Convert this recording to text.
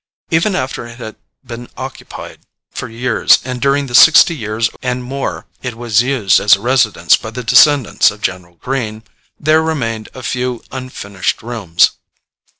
Even after it had been occupied for years, and during the sixty years and more it was used as a residence by the descendants of General Greene, there remained a few unfinished rooms.